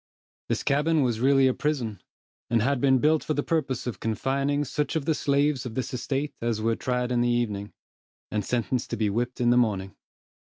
This cabin was really a prison, and had been built for the purpose of confining such of the slaves of this estate as were tried in the evening, and sentenced to be whipped in the morning.